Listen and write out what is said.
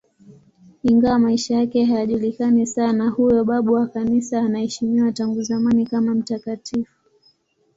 Ingawa maisha yake hayajulikani sana, huyo babu wa Kanisa anaheshimiwa tangu zamani kama mtakatifu.